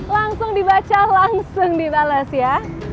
langsung dibaca langsung dibalas ya